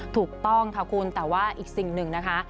ถูกต้องค่ะคุณแต่ว่าอีกสิ่งหนึ่งนะคะ